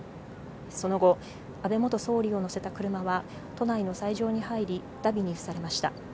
その後、安倍元総理を乗せた車は都内の斎場に入り、だびに付されました。